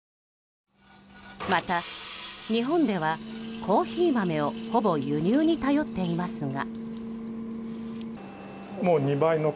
また、日本ではコーヒー豆をほぼ輸入に頼っていますが。